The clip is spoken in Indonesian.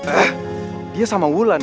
eh dia sama wulan